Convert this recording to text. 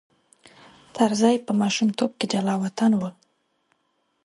طرزی په ماشومتوب کې جلاوطن و.